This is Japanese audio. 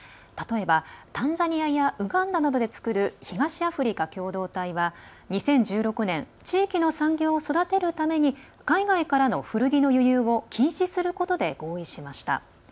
例えば、タンザニアやウガンダなどで作る東アフリカ共同体は２０１６年、地域の産業を育てるために海外からの古着の輸入を禁止することで合意しました。